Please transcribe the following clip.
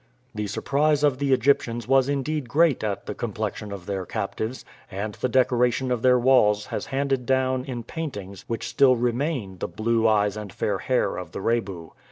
The surprise of the Egyptians was indeed great at the complexion of their captives, and the decoration of their walls has handed down in paintings which still remain the blue eyes and fair hair of the Rebu.